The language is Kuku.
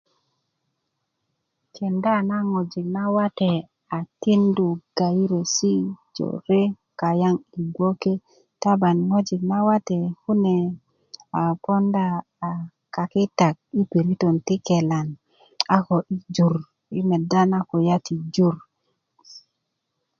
kenda na ŋojik nawate a tindu gaerresi' jore kaŋ yi gboke taban ŋojik nawate kune a poonda a kakitak yi piritön ti kelan a ko yi jur yi medda na kulya ti jur